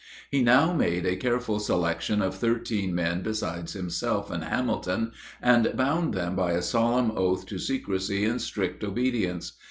He now made a careful selection of thirteen men besides himself and Hamilton, and bound them by a solemn oath to secrecy and strict obedience.